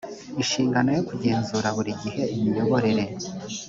inshingano yo kugenzura buri gihe imiyoborere